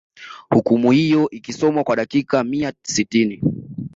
hukumu hiyo ilkisomwa kwa dakika mia sitini